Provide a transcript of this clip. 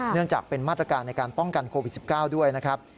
เนื่องจากเป็นมาตรการในการป้องกันโควิด๑๙ด้วยนะครับ